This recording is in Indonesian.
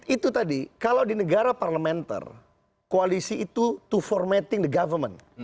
itu tadi kalau di negara parlementer koalisi itu to formating the government